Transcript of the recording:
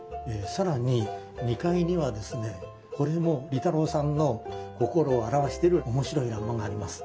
更に２階にはですねこれも利太郎さんの心を表してる面白い欄間があります。